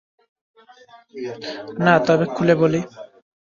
না, তবে খুলে বলি।